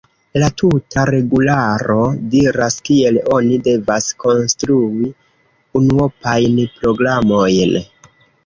La tuta regularo diras, kiel oni devas konstrui unuopajn programojn.